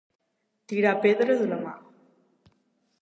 Tirar pedres a la mar.